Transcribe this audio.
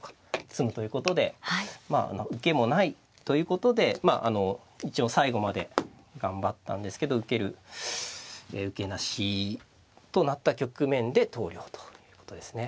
詰むということで受けもないということでまああの最後まで頑張ったんですけど受ける受けなしとなった局面で投了ということですね。